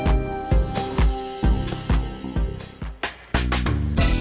terima kasih bang